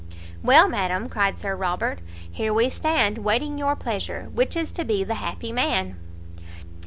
"Well, madam," cried Sir Robert, "here we stand, waiting your pleasure. Which is to be the happy man!"